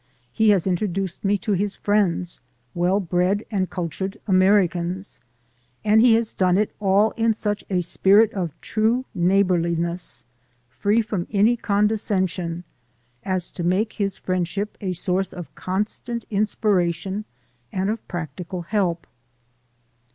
He has introduced me to his friends, well bred and cultured Americans, and he has done it all in such a spirit of true neighborliness, free from any con descension, as to make his friendship a source of constant inspiration and of practical help.